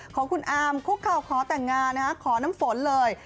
ของคุณอามคุกเข่าขอแต่งงานขอน้ำฝนเลย